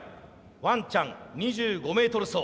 「ワンちゃん２５Ｍ走」。